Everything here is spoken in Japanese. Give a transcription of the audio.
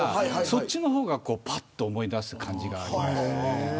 そっちの方がぱっと思い出す感じがあります。